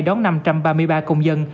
đón năm trăm ba mươi ba công dân